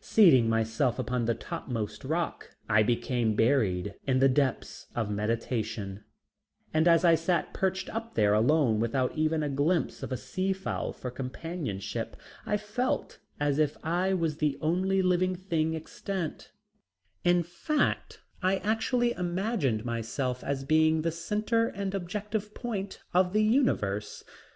Seating myself upon the topmost rock, I became buried in the depths of meditation, and as I sat perched up there alone without even a glimpse of a sea fowl for companionship I felt as if I was the only living thing extant; in fact, I actually imagined myself as being the center and objective point of the universe.